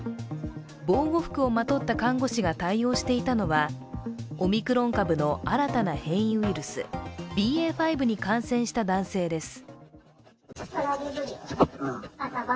防護服をまとった看護師が対応していたのは、オミクロン株の新たな変異ウイルス、ＢＡ．５に感染した男性です。